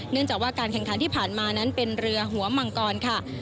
เนื่องจากว่าการแข่งขันที่ผ่านมานั้นเป็นเรือหัวมังกรค่ะ